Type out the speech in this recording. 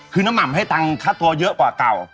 คือน้ำห่ำให้ตังค่าตัวเยอะกว่าเก่า